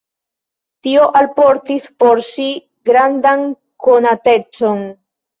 Tio alportis por ŝi grandan konatecon.